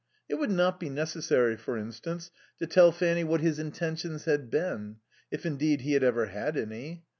It would not be necessary, for instance, to tell Fanny what his intentions had been, if indeed he had ever had any.